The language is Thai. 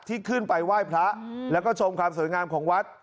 ที่ขึ้นไปไหว้พระแล้วก็ชมความสวยงามของวัด